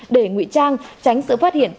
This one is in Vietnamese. để ngụy trang tránh sự phát hiện